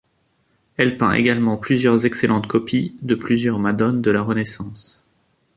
Elle peint également plusieurs excellentes copies de plusieurs Madones de la Renaissance.